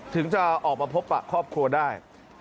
ถึงจะออกมาพบปะครอบครัวได้